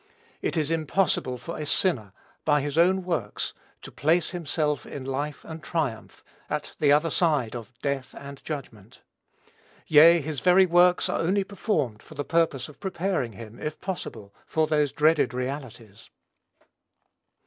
It is impossible for a sinner, by his own works, to place himself in life and triumph, at the other side of "death and judgment," yea, his very works are only performed for the purpose of preparing him, if possible, for those dreaded realities.